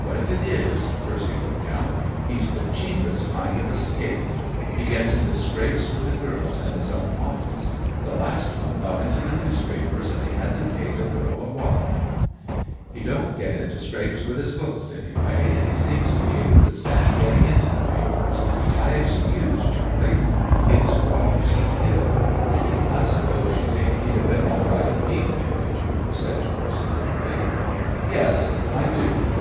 "What if it is?" Percy broke out. "He's the cheapest kind of a skate. He gets into scrapes with the girls in his own office. The last one got into the newspapers, and he had to pay the girl a wad." "He don't get into scrapes with his books, anyway, and he seems to be able to stand getting into the papers. I excuse Charley. His wife's a pill." "I suppose you think he'd have been all right if he'd married you," said Percy, bitterly. "Yes, I do."